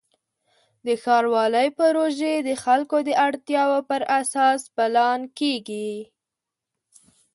د ښاروالۍ پروژې د خلکو د اړتیاوو پر اساس پلان کېږي.